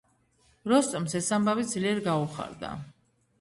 როსტომს ეს ამბავი ძლიერ გაუხარდა.